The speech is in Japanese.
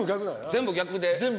全部逆で。